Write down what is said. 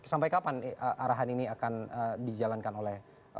jadi kapan arahan ini akan dijalankan oleh